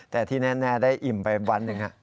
แต่ที่แน่ได้อิ่มไปวันหนึ่ง